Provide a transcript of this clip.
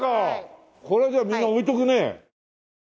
これじゃあみんな置いとくね。